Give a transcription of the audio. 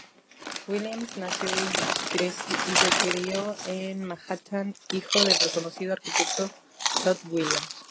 Williams nació y se crio en Manhattan, hijo del reconocido arquitecto Tod Williams.